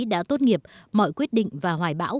đã tốt nghiệp mọi quyết định và hoài bão